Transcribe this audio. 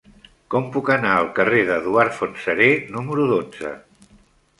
Com puc anar al carrer d'Eduard Fontserè número dotze?